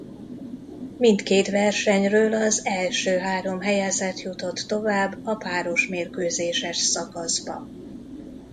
Mindkét versenyről az első három helyezett jutott tovább a párosmérkőzéses szakaszba.